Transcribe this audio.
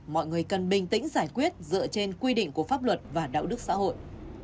mọi người cần bình tĩnh giải quyết dựa trên quy định của pháp luật và đạo đức xã hội